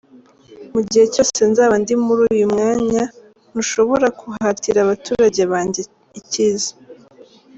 Mu gihe cyose nzaba ndi muri uyu mwanya, ntushobora kuhatira abaturage banjye icyiza.